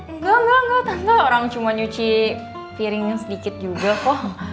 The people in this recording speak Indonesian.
enggak enggak enggak tante orang cuma nyuci piringnya sedikit juga kok